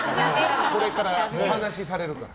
これからお話しされるから。